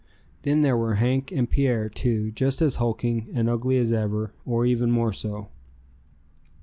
Then there were Hank and Pierre, too, just as hulking, and ugly as ever, or even more so.